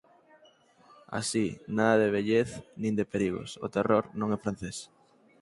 Así, nada de vellez, nin de perigos: o terror non é francés.